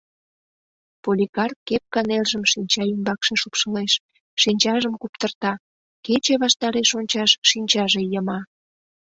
Поликар кепка нержым шинча ӱмбакше шупшылеш, шинчажым куптырта; кече ваштареш ончаш шинчаже йыма.